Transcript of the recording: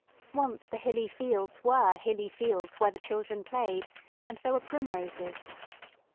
Once the Hilly Fields were hilly fields where the children played, and there were primroses.